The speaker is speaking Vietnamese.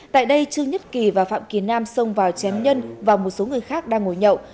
tại đây trương nhất kỳ và phạm kỳ nam xông vào chém nhân và một số người khác đang ngồi nhậu